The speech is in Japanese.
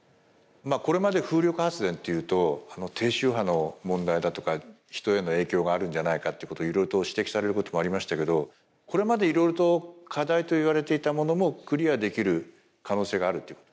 まあこれまで風力発電というと低周波の問題だとか人への影響があるんじゃないかということをいろいろと指摘されることもありましたけどこれまでいろいろと課題といわれていたものもクリアできる可能性があると？